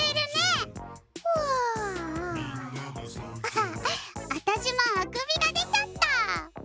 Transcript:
あたしもあくびがでちゃった！